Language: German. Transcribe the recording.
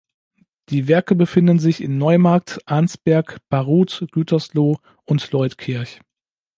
Die Werke befinden sich in Neumarkt, Arnsberg, Baruth, Gütersloh und Leutkirch.